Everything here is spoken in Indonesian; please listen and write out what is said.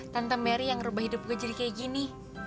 tante merry yang ngerubah hidup gue jadi kayak gini